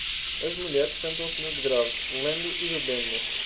As mulheres sentam-se nos degraus, lendo e bebendo.